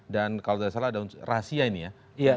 dan kalau tidak salah ada rahasia ini ya